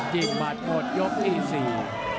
จิบบัตรหมดยกที่๔